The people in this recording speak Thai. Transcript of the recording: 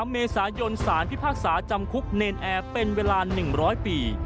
เมษายนสารพิพากษาจำคุกเนรนแอร์เป็นเวลา๑๐๐ปี